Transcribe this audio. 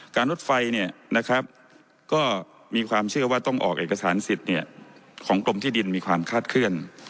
รถไฟก็มีความเชื่อว่าต้องออกเอกสารสิทธิ์ของกรมที่ดินมีความคาดเคลื่อน